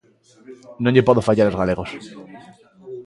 Non lle podo fallar aos galegos.